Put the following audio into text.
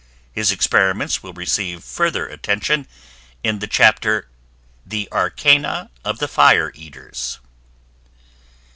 His experiments will receive further attention in the chapter "The Arcana of the Fire Eaters."